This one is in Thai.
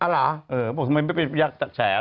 อ๋อหรอแบบทำไมยากไม่ยากจากแฉ